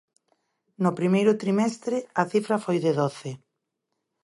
No primeiro trimestre, a cifra foi de doce.